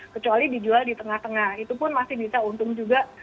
kecuali dijual di tengah tengah itu pun masih bisa untung juga